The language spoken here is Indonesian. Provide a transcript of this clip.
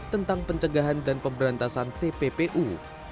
tentang pencegahan dan pemberantasan tppu